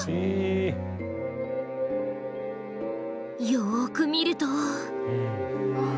よく見ると。